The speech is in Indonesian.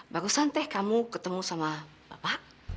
bagusan teh kamu ketemu sama bapak